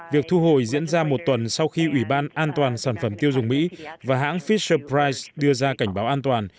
việc thu hồi diễn ra một tuần sau khi ủy ban an toàn sản phẩm tiêu dùng mỹ và hãng fisherpride đưa ra cảnh báo an toàn